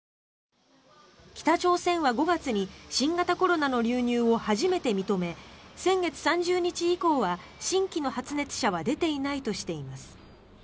北朝鮮は５月に新型コロナの流入を初めて認め先月３０日以降は新規の発熱者は出ていないとしています。